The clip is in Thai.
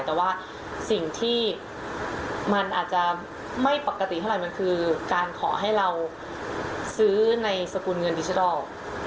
แต่ว่าสิ่งที่มันอาจจะไม่ปกติเท่าไหร่มันคือการขอให้เราซื้อในสกุลเงินดิจิทัล